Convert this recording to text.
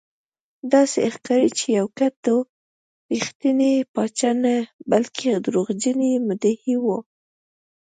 داسې ښکاري چې یوکیت ټو رښتینی پاچا نه بلکې دروغجن مدعي و.